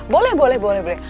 boleh boleh boleh boleh